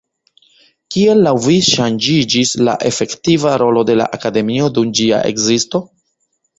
Kiel laŭ vi ŝanĝiĝis la efektiva rolo de la Akademio dum ĝia ekzisto?